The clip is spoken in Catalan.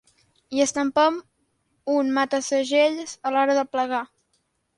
Hi estampem un mata-segells a l'hora de plegar.